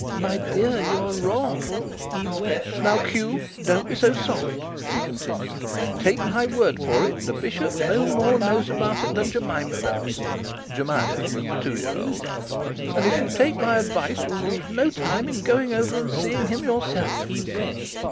'My dear, you're wrong ' 'Now, Q, don't be so soft,' she continued. 'Take my word for it, the bishop knows no more about it than Jemima does.' Jemima was the two year old. 'And if you'll take my advice, you'll lose no time in going over and seeing him yourself.'